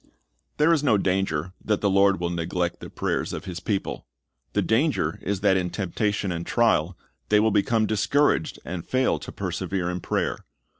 "^ There is no danger that the Lord will neglect the prayers of His people. The danger is that in temptation and trial they will become discouraged, and fail to persevere in prayer.